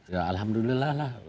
ya alhamdulillah lah